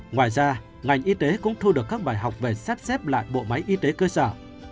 ngoài ra ngành y tế cũng thu được các bài học về sắp xếp lại bộ máy y tế cơ sở